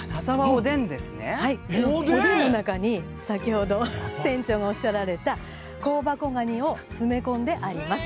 おでんの中に先ほど船長がおっしゃられた香箱ガニを詰め込んであります。